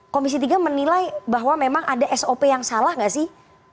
komisi tiga menilai bahwa memang ada sop yang salah nggak sih